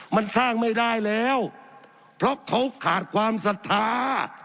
มันสร้างไม่ได้แล้วเพราะเขาขาดความศรัทธา